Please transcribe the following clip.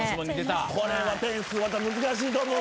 これは点数また難しいと思う。